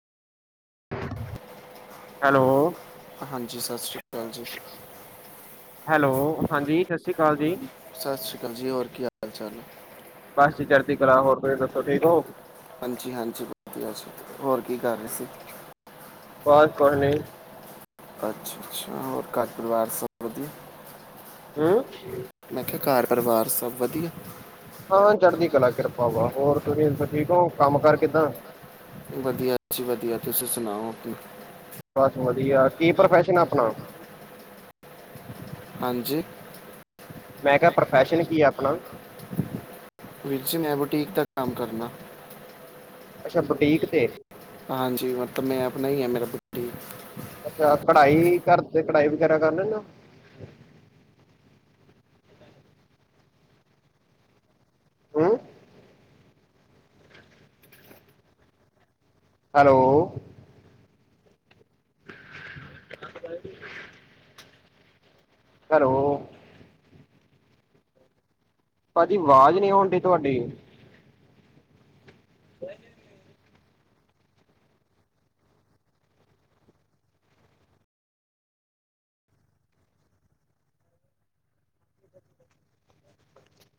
Hello ਹਾਂਜੀ ਸਤਿ ਸ਼੍ਰੀ ਅਕਾਲ ਜੀ ਹੈਲੋ, ਹਾਂਜੀ, ਸਤਿ ਸ੍ਰੀ ਅਕਾਲ ਜੀ, ਸਤਿ ਸ਼੍ਰੀ ਅਕਾਲ ਜੀ ਹੋਰ ਕੀ ਹਾਲ ਚਾਲ ਹੈ ਬਸ੍ ਜੀ ਚਰਤੀ ਕਲਾ ਹੋਰ ਤੁਸੀਂ ਦੱਸੋ? ਤੁਸੀਂ ਠੀਕ ਹੋ। ਹਾਂਜੀ-ਹਾਂਜੀ, ਵਧੀਆ ਹੋਰ ਕੀ ਕਰ ਰਹੇ ਸੀ? ਬਸ ਕਰਨੀ ਅੱਛਾ-ਅੱਛਾ, ਹੋਰ ਘਰ ਪਰਿਵਾਰ ਸਬ ਵਧੀਆ। ਹੂੰ। ਮੈਂ ਕਿਹਾਿਆ ਘਰ ਪਰਿਵਾਰ ਸਭ ਵਧੀਆ। ਹਾਂ, ਚੜ੍ਹਦੀ ਕਲਾ ਕਿਰਪਾ ਵਾ ਹੋਰ ਤੁਸੀਂ ਸਬ ਠੀਕ ਹੋ ਕੰਮ-ਕਾਰ ਕਿੱਦਾਂ? ਵਧੀਆ ਜੀ ਵਧੀਆ, ਤੁਸੀਂ ਸੁਣਾਓ ਆਪਣੀ। ਬਸ ਵਧੀਆ, ਕੀ ਪ੍ਰੋਫੈਸ਼ਨ ਆਪਣਾ। ਹਾਂਜੀ। ਮੈਂ ਕਿਹਾ, ਪ੍ਰੋਫੈਸ਼ਨ ਕੀ ਹੈ ਆਪਣਾ? ਬੋਟੀਕ ਦਾ ਕੰਮ ਕਰਨਾ ਅੱਛਾ ਬੁਟੀਕ ਤੇ ਹਾਂਜੀ, ਮਤਲਬ ਮੈਂ ਨਹੀਂ ਹੈ ਮੇਰਾ ਬੁਟੀਕ ਅੱਛਾ, ਕਢਾਈ ਕਰ ਤੇ ਕਢਾਈ ਵਗੈਰਾ ਕਰ ਲੈਨੇ ਹੋ। ਹੂੰ। Hello [unintelligible] hello. ਭਾਜੀ, ਆਵਾਜ਼ ਨਹੀਂ ਆਉਣ ਡੀ ਤੁਹਾਡੀ। ਹ